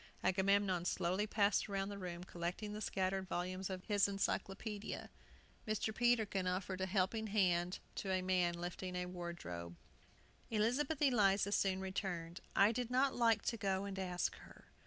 Agamemnon slowly passed round the room, collecting the scattered volumes of his Encyclopædia. Mr. Peterkin offered a helping hand to a man lifting a wardrobe. Elizabeth Eliza soon returned. "I did not like to go and ask her.